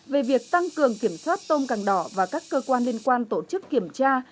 về việc tăng cường kiểm soát tôm càng đỏ và các cơ quan liên quan tổ chức kiểm tra